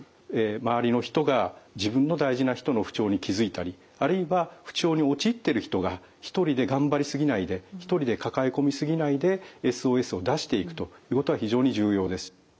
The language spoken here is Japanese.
周りの人が自分の大事な人の不調に気付いたりあるいは不調に陥ってる人が一人で頑張り過ぎないで一人で抱え込み過ぎないでＳＯＳを出していくということが非常に重要です。